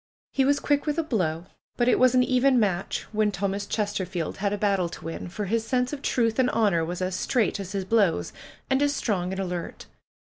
He was quick wdth a blow; but it was an even match when Thomas Chesterfield had a battle to win, for his sense of truth and honor was as straight as his blows, and as strong and alert.